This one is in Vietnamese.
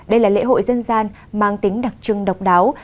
đây là lễ hội dân gian mang tính đặc trưng độc đáo